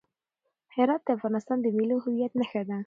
هرات د افغانستان د ملي هویت نښه ده.